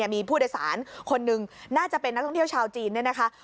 มีผู้โดยสารคนหนึ่งน่าจะเป็นนักท่องเที่ยวชาวจีนเนี่ยนะคะ